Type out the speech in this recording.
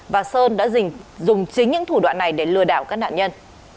và sơn đã dùng chính những thủ đoạn này để lừa đảo các nạn nhân